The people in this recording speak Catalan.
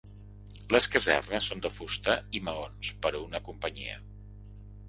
Les casernes són de fusta i maons, per a una companyia.